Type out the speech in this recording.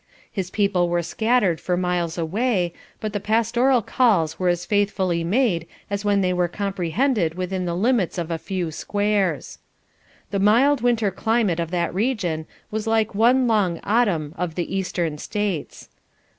His people were scattered for miles away, but the pastoral calls were as faithfully made as when they were comprehended within the limits of a few squares. The mild winter climate of that region was like one long autumn of the Eastern States.